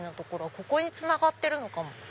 ここにつながってるのかも。